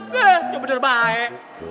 ya bener bener baik